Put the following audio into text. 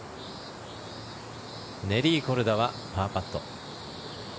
ネリー・コルダはパーパット。